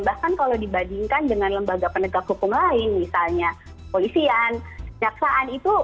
bahkan kalau dibandingkan dengan lembaga penegak hukum lain misalnya polisian jaksaan itu